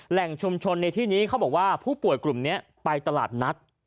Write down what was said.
แหล่งชุมชนในที่นี้เขาบอกว่าผู้ป่วยกลุ่มนี้ไปตลาดนัด